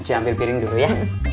dia ambil piring dulu ya